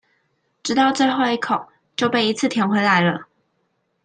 直到最後一口就被一次甜回來了